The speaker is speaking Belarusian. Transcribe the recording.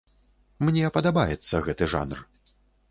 Мне падабаецца гэты жанр.